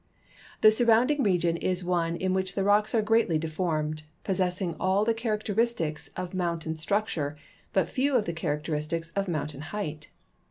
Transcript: The surrounding region is one in which the rocks are greatly deformed, possessing all the characteristics of mountain structure, but few of the characteristics of mountain height.